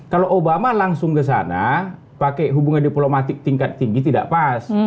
kalau obama langsung ke sana pakai hubungan diplomatik tingkat tinggi tidak pas